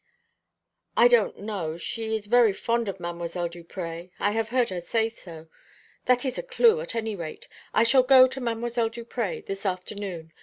"I don't know. She is very fond of Mdlle. Duprez. I have heard her say so. That is a clue, at any rate. I shall go to Mdlle. Duprez this afternoon.